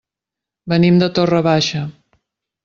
Venim de Torre Baixa.